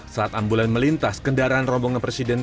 saat ambulans melintas kendaraan rombongan presiden